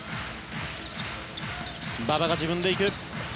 馬場が自分で行く。